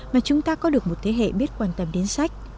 mà chúng ta có được một thế hệ biết quan tâm đến sách